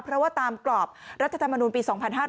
เพราะว่าตามกรอบรัฐธรรมนูลปี๒๕๕๙